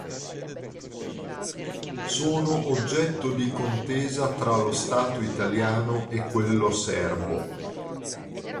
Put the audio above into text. Sono oggetto di contesa tra lo Stato italiano e quello serbo.